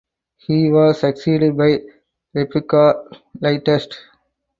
He was succeeded by Rebecca Lightest.